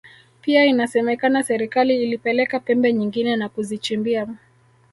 Pia inasemekana serikali ilipeleka pembe nyingine na kuzichimbia